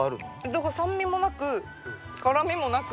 だから酸味もなく辛みもなく。